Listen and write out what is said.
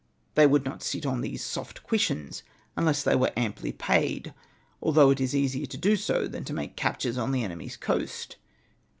They would not sit on these soft cushions unless they were amply paid, although it is easier to do so than to make captures on the enemy's coast.